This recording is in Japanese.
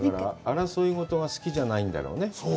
争い事が好きじゃないんだろうね。